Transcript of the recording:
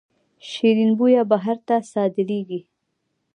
شیرین بویه بهر ته صادریږي